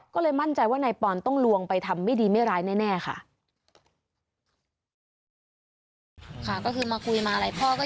ก็เลยมั่นใจว่านายปอนต้องลวงไปทำไม่ดีไม่ร้ายแน่ค่ะ